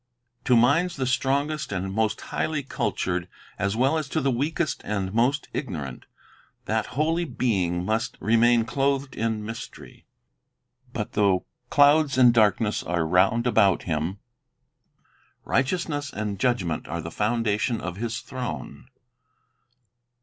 To minds the strongest and most highly cultured, as well as to the weakest and "Canst Thou .... F*°d Out most ignorant, that holy Being must remain clothed in con ? mystery. But though "clouds and darkness are round about Him, righteousness and judgment are the founda tion of His throne."